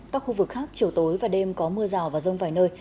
các khu vực khác chiều tối và đêm có mưa rào và rông vài nơi